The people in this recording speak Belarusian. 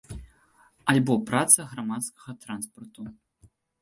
Альбо праца грамадскага транспарту.